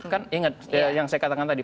kan inget yang saya katakan tadi